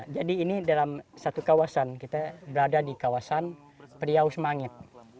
jadi ini dalam satu kawasan kita berada di kawasan prihaus mangit